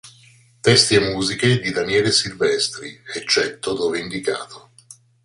Testi e musiche di Daniele Silvestri, eccetto dove indicato.